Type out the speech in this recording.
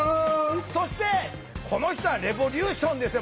そしてこの人はレボリューションですよ